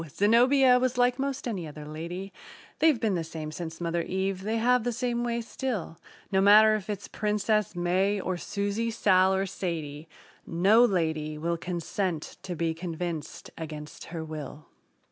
Zenobia was like 'most any other lady They've been the same since mother Eve; they have the same way still: No matter if it's Princess May, or Susie, Sal or Sadie, No lady will consent to be convinced against her will.